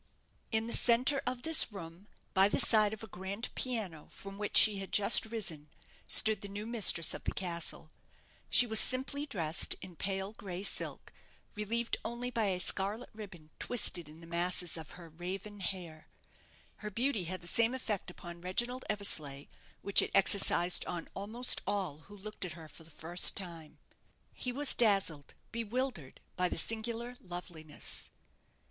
In the centre of this room, by the side of a grand piano, from which she had just risen, stood the new mistress of the castle. She was simply dressed in pale gray silk, relieved only by a scarlet ribbon twisted in the masses of her raven hair. Her beauty had the same effect upon Reginald Eversleigh which it exercised on almost all who looked at her for the first time. He was dazzled, bewildered, by the singular loveliness.